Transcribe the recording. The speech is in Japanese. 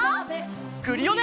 クリオネ！